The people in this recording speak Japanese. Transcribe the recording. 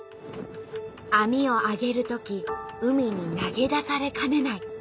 網をあげるとき海に投げ出されかねない。